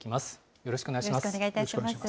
よろしくお願いします。